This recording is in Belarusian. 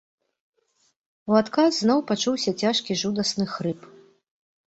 У адказ зноў пачуўся цяжкі жудасны хрып.